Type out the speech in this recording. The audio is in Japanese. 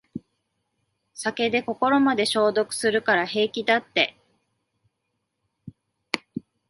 酒で心まで消毒するから平気だって